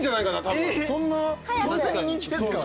そんなに人気ですか？